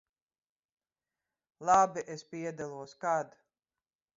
Labi, es piedalos. Kad?